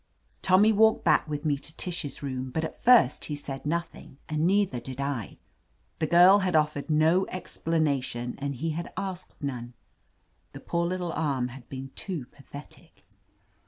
Tommy walked back with me to Tish's room, but at first he said nothing, and neither did I. The girl had offered no explanation, and he had asked none. The poor little arm had been too pathetic.